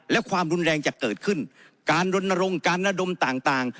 และความรุนแรงจะเกิดขึ้นการรณรงค์การระดมต่าง